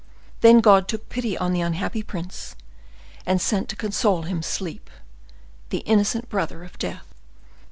Then God took pity on the unhappy prince, and sent to console him sleep, the innocent brother of death.